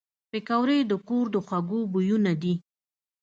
پکورې د کور د خوږو بویونه دي